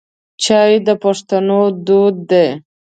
چای د پښتنو دود دی.